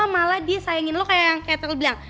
malah dia sayangin lo kayak yang ketel bilang